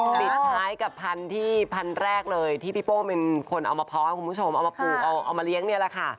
ปิดท้ายกับพันธุ์ที่พันธุ์แรกเลยที่พี่โป้เป็นคนเอามาเพาะให้คุณผู้ชมเอามาปลูกเอามาเลี้ยงเนี่ยแหละค่ะ